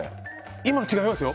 今、違いますよ。